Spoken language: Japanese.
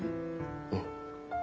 うん。